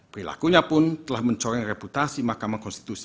perilakunya pun telah mencoreng reputasi mahkamah konstitusi